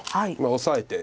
オサえて。